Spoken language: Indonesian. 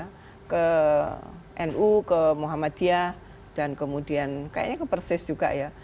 saya ke nu ke muhammadiyah dan kemudian kayaknya ke persis juga ya